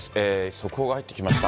速報が入ってきました。